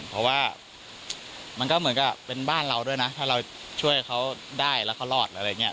เพราะว่ามันก็เหมือนกับเป็นบ้านเราด้วยนะถ้าเราช่วยเขาได้แล้วเขารอดอะไรอย่างนี้